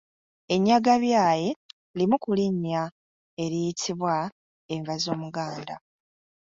Ennyagabyayi limu ku linnya eriyitibwa enva z’omuganda.